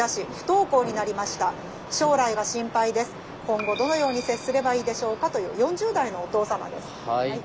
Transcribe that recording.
今後どのように接すればいいでしょうか」という４０代のお父様です。